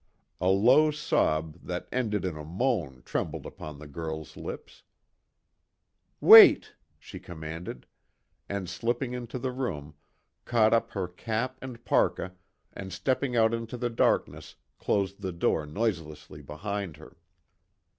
A low sob that ended in a moan trembled upon the girl's lips: "Wait!" she commanded, and slipping into the room, caught up her cap and parka, and stepping out into the darkness, closed the door noiselessly behind her.